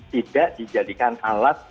tidak dijadikan alat untuk